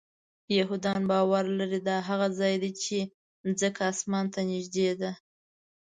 یهودان باور لري دا هغه ځای دی چې ځمکه آسمان ته نږدې ده.